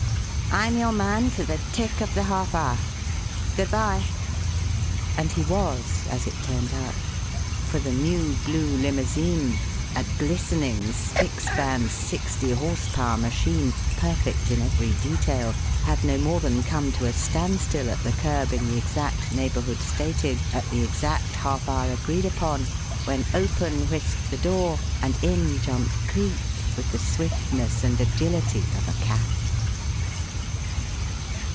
I'm your man to the tick of the half hour. Good bye!" And he was, as it turned out. For the new blue limousine (a glistening, spic span sixty horsepower machine, perfect in every detail) had no more than come to a standstill at the kerb in the exact neighbourhood stated at the exact half hour agreed upon, when open whisked the door, and in jumped Cleek with the swiftness and agility of a cat.